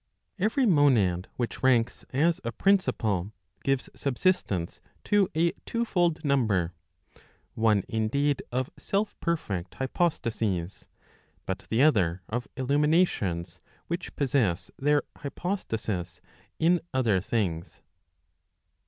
Every monad which ranks as a principle, gives subsistence to a two¬ fold number; one indeed of self perfect hypostases, but the other of illuminations which possess their hypostasis in other things.